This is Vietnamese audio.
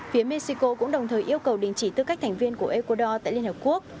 phía mexico cũng đồng thời yêu cầu đình chỉ tư cách thành viên của ecuador tại liên hợp quốc